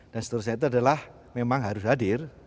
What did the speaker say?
dan seterusnya itu adalah memang harus hadir